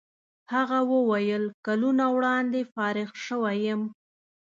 هغه وویل کلونه وړاندې فارغ شوی یم.